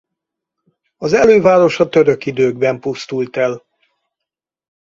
Az előváros a török időkben pusztult el.